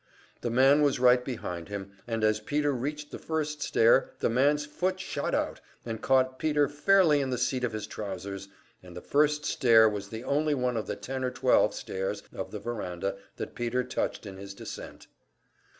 The man was right behind him, and as Peter reached the first stair the man's foot shot out, and caught Peter fairly in the seat of his trousers, and the first stair was the only one of the ten or twelve stairs of the veranda that Peter touched in his descent.